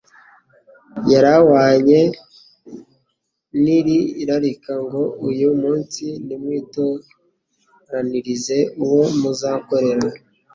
yari ahwanye n'iri rarika ngo: "Uyu munsi nimwitoranirize uwo muzakorera.,"